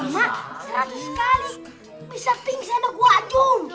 wah pingsan aku wajum